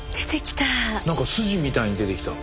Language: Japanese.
何か筋みたいに出てきた。